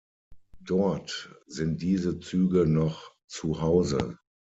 Dort sind diese Züge noch „zu Hause“.